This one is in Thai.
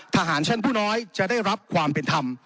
ทหารชั้นผู้น้อยจะได้รับความเป็นธรรม